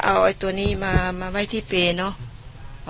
พอกาโมเนี่ยเขาก็เอาไอ้ตัวนี้มาไว้ที่เปย์เนอะ